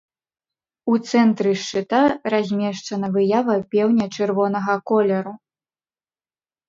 У цэнтры шчыта размешчана выява пеўня чырвонага колеру.